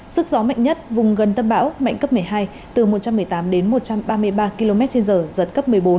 sức gió mạnh nhất vùng gần tâm bão mạnh cấp một mươi hai từ một trăm một mươi tám đến một trăm ba mươi ba km trên giờ giật cấp một mươi bốn